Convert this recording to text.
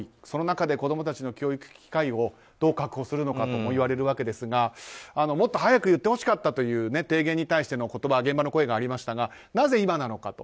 その中で子供たちの教育機会をどう確保するのかともいわれるわけですがもっと早く言ってほしかったという提言に対しての言葉現場の声がありましたがなぜ今なのか。